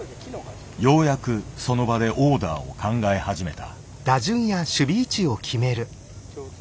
ようやくその場でオーダーを考え始めた。